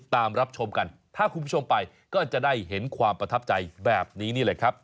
รับชมกันถ้าคุณผู้ชมไปก็จะได้เห็นความประทับใจแบบนี้นี่แหละครับ